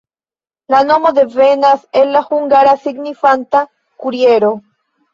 La nomo devenas el la hungara, signifanta kuriero.